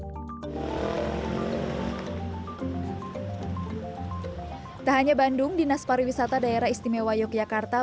tak hanya bandung dinas pariwisata daerah istimewa yogyakarta